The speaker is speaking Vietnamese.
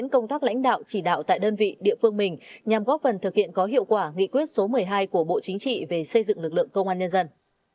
công tác lãnh đạo chỉ đạo tại đơn vị địa phương mình nhằm góp phần thực hiện có hiệu quả nghị quyết số một mươi hai của bộ chính trị về xây dựng lực lượng công an nhân dân